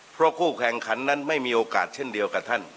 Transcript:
เพราะคู่แข่งขันนั้นไม่มีโอกาสเช่นเดียวกับท่าน